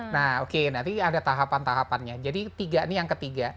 nah oke nanti ada tahapan tahapannya jadi tiga ini yang ketiga